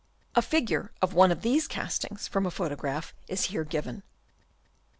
A figure of one of these castings from a photograph is here given (Fig.